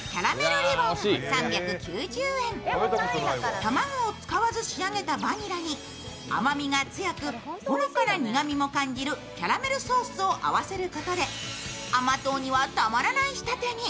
卵を使わず仕上げたバニラに甘みが強くほのかな苦みも感じるキャラメルソースを合わせることで甘党にはたまらない仕立てに。